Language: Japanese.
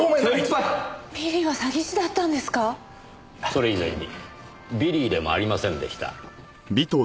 それ以前にビリーでもありませんでした。